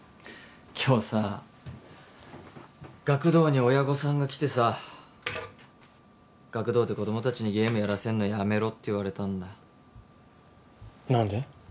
今日さ学童に親御さんが来てさ学童で子供達にゲームやらせんのやめろって言われたんだ何で？